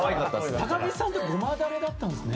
高木さんってゴマダレだったんですね？